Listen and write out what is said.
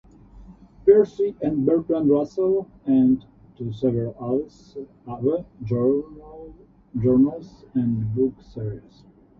Peirce and Bertrand Russell, and to several other journals and book series.